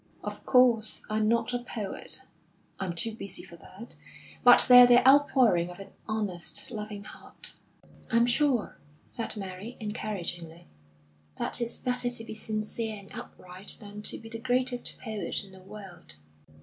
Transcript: "Of course, I'm not a poet, I'm too busy for that; but they are the outpouring of an honest, loving heart." "I'm sure," said Mary, encouragingly, "that it's better to be sincere and upright than to be the greatest poet in the world."